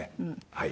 はい。